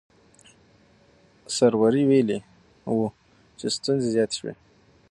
سروري ویلي وو چې ستونزې زیاتې شوې.